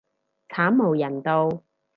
慘無人道